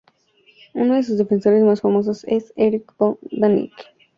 Uno de sus defensores más famosos es Erich von Däniken.